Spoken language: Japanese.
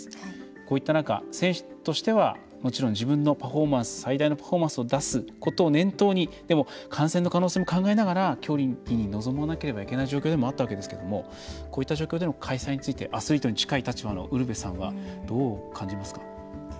こういった中、選手としてはもちろん自分の最大のパフォーマンスを出すことを念頭に、でも感染の可能性も考えながら競技に臨まなければいけない状況でもあったわけですけれどもこういった状況での開催についてアスリートに近い立場のウルヴェさんはどう感じますか？